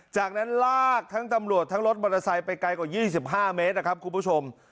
จากนั้นลากทั้งตำรวจทั้งรถมอเตอร์ไซค์ไปไกลกว่า๒๕เมตรนะครับคุณผู้ชม